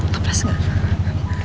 kau pas gak